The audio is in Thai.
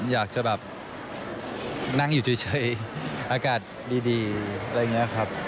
อยากจะแบบนั่งอยู่เฉยอากาศดีอะไรอย่างนี้ครับ